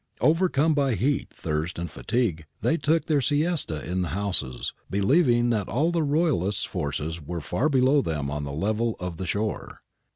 Overcome by heat, thirst, and fatigue they took their siesta in the houses, believing that all the Royalist forces were far below them on the level of the shore.